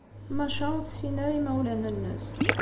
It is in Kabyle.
Masha ur tessin ara imawlan-nnes.